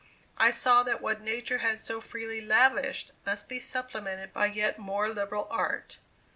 I saw that what Nature had so freely lavished must be supplemented by yet more liberal Art.